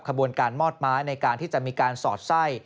ขบวนการมอดไม้ในการที่จะมีการสอดไส้